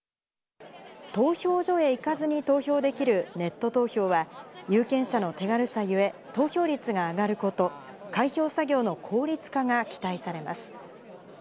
投票所へ行かずに投票できるネット投票は、有権者の手軽さゆえ、投票率が上がること、開票作業の効率化が期待されます。